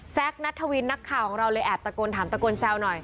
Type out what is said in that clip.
นัทธวินนักข่าวของเราเลยแอบตะโกนถามตะโกนแซวหน่อย